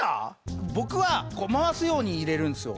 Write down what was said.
僕はこう回すように入れるんですよ。